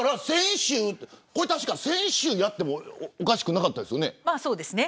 先週やっていてもおかしくなかったですよね。